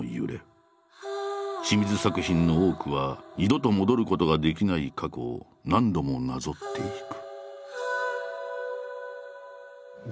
清水作品の多くは二度と戻ることができない過去を何度もなぞっていく。